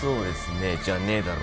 じゃねえだろ